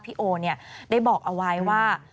พี่โอเนี่ยได้บอกเอาไว้ว่า